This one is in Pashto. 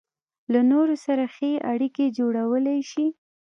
له نورو سره ښې اړيکې جوړولای شي.